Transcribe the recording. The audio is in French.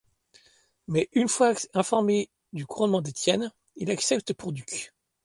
Mais une fois informés du couronnement d'Étienne, ils l'acceptent pour duc.